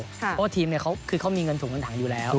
เพราะว่าทีมคือเขามีเงินถุงเงินถังอยู่แล้ว